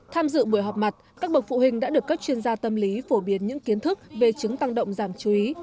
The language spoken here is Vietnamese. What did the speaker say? tham dự buổi họp mặt các bậc phụ huynh đã được các chuyên gia tâm lý phổ biến những kiến thức về chứng tăng động giảm chú ý